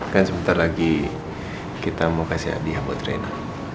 kan sebentar lagi kita mau kasih hadiah buat trainer